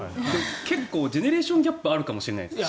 結構ジェネレーションギャップがあるかもしれないですね。